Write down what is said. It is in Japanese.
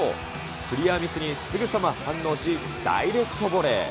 クリアミスにすぐさま反応し、ダイレクトボレー。